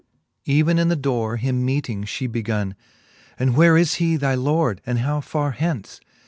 Even in the dore him meeting, fhe begun ; And where is he thy Lord, and how far hence?